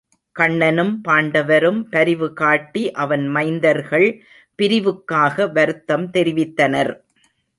கண்ணனும் பாண்டவரும் பரிவு காட்டி அவன் மைந்தர் கள் பிரிவுக்காக வருத்தம் தெரிவித்தனர்.